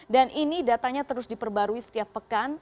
dan ini datanya terus diperbarui setiap pekan